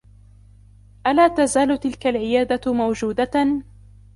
ألا تزال تلك العيادة موجودة؟